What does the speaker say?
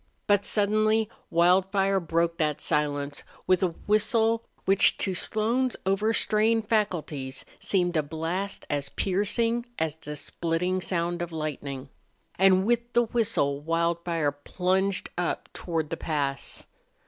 But suddenly Wildfire broke that silence with a whistle which to Slone's overstrained faculties seemed a blast as piercing as the splitting sound of lightning. And with the whistle Wildfire plunged up toward the pass.